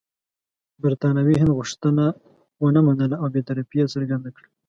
برټانوي هند غوښتنه ونه منله او بې طرفي یې څرګنده کړه.